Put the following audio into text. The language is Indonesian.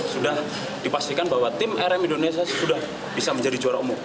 sudah dipastikan bahwa tim rm indonesia sudah bisa menjadi juara umum